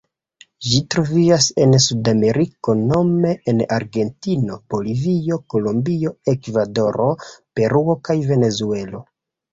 Ĝi troviĝas en Sudameriko nome en Argentino, Bolivio, Kolombio, Ekvadoro, Peruo kaj Venezuelo.